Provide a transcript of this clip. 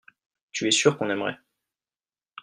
tu es sûr qu'on aimerait.